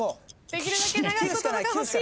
できるだけ長い言葉が欲しい。